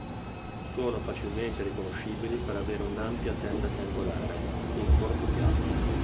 Sono facilmente riconoscibili per avere un'ampia testa triangolare, il corpo piatto.